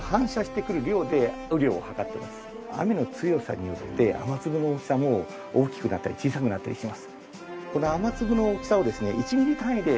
雨の強さによって雨粒の大きさも大きくなったり小さくなったりします。